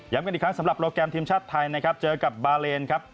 กันอีกครั้งสำหรับโปรแกรมทีมชาติไทยนะครับเจอกับบาเลนครับ